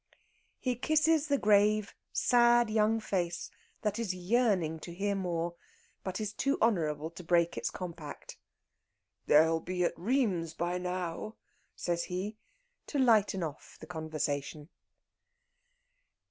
He kisses the grave, sad young face that is yearning to hear more, but is too honourable to break its compact. "They'll be at Rheims by now," says he, to lighten off the conversation.